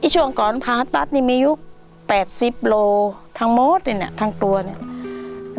ช่วงก่อนผ่าตัดนี่มียุค๘๐โลทั้งหมดเนี่ยทั้งตัวเนี่ย